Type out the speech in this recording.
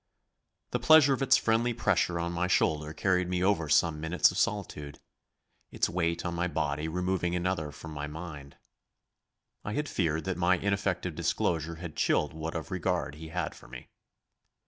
The pleasure of its friendly pressure on my shoulder carried me over some minutes of solitude; its weight on my body removing another from my mind. I had feared that my ineffective disclosure had chilled what of regard he had for me.